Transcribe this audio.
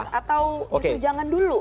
atau justru jangan dulu